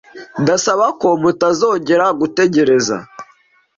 Ndasaba ko mutazongera gutegereza.